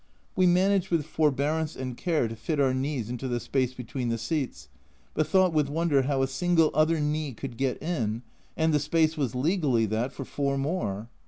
We managed with forbearance and care to fit our knees into the space between the seats, but thought with wonder how a single other knee could get in, and the space was legally that for four more